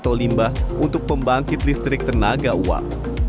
atau limbah untuk pembangkit listrik tenaga uang